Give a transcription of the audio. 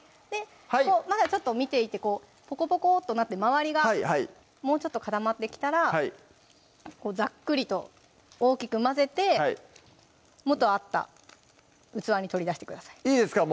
まだちょっと見ていてこうぽこぽことなって周りがもうちょっと固まってきたらこうざっくりと大きく混ぜて元あった器に取り出してくださいいいですか